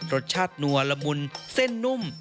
รสชาตินัวละมุนเส้นนุ่ม